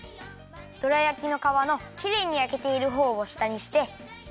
どら焼きのかわのきれいにやけているほうをしたにして。